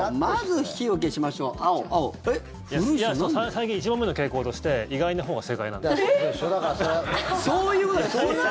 最近、１問目の傾向として意外なほうが正解なんです。